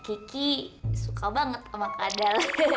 kiki suka banget sama kadal